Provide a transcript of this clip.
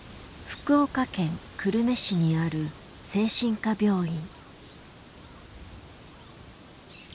福岡県久留米市にある精神科病院。